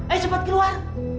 ayo cepat keluar